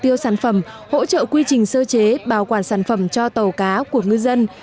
thịnh hưng bao tiêu sản phẩm hỗ trợ quy trình sơ chế bảo quản sản phẩm cho tàu cá của ngư dân